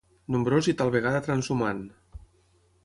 Nombrós i tal vegada transhumant.